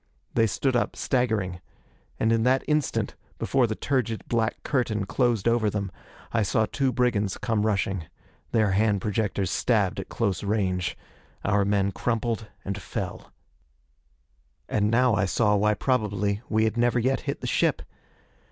They stood up, staggering. And in that instant, before the turgid black curtain closed over them, I saw two brigands come rushing. Their hand projectors stabbed at close range. Our men crumpled and fell. And now I saw why probably we had never yet hit the ship.